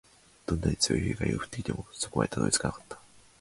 どんなに強い光が降ってきても、底までたどり着かなかった